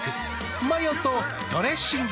マヨとドレッシングで。